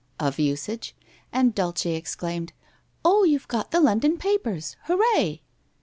' of usage, and Dulce ex claimed :' Oh, you've got the London papers ! Hooray